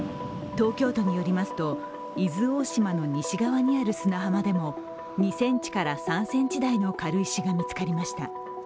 東京都によりますと、伊豆大島の西側にある砂浜でも２３ｃｍ大の軽石が見つかりました。